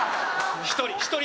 １人。